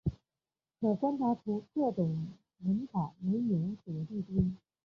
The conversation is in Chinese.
可观察出这种文法没有左递归。